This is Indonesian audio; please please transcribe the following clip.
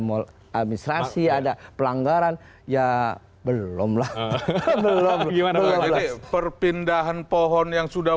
mahal administrasi ada pelanggaran ya belum lah belum gimana berarti perpindahan pohon yang sudah